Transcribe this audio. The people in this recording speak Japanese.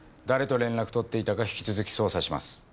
誰と連絡取っていたか引き続き捜査します。